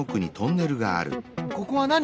ここは何？